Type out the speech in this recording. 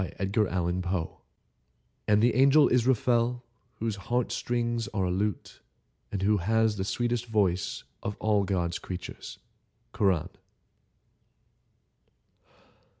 Edgar Allan Poe Israfel [And the angel Israfel, whose heart strings are a lute, and who has the sweetest voice of all God's creatures. KORAN.